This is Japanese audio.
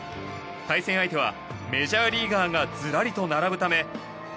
対戦相手はメジャーリーガーがずらりと並ぶため。